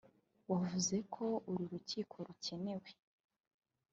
wavuze ko uru rukiko rukenewe